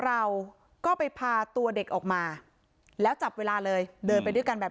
เราก็ไปพาตัวเด็กออกมาแล้วจับเวลาเลยเดินไปด้วยกันแบบ